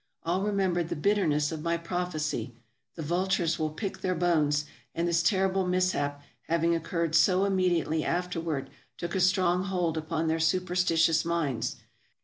All remembered the bitterness of my prophecy, " The vultures will pick their bones, '' and this terrible mishap having occurred so immediately afterward took a strong hold upon their superstitious minds.